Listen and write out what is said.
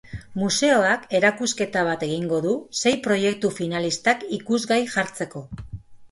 Museoak erakusketa bat egingo du sei proiektu finalistak ikusgai jartzeko.